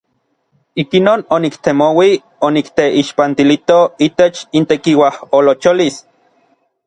Ikinon oniktemouij onikteixpantilito itech intekiuajolocholis.